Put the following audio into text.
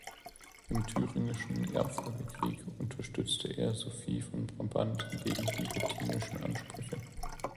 Im Thüringischen Erbfolgekrieg unterstützte er Sophie von Brabant gegen die wettinischen Ansprüche.